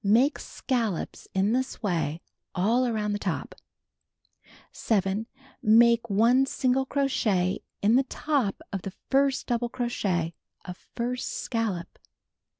Make scallops in this way all around the top. 7. Make 1 single crochet in the top of the first double crochet of first scallop.